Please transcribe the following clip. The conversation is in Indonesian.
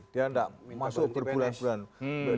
dia tidak masuk berbulan bulan